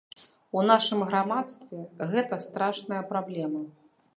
У нашым грамадстве гэта страшная праблема.